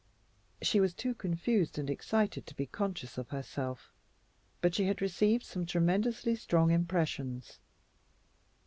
She was too confused and excited to be conscious of herself, but she had received some tremendously strong impressions.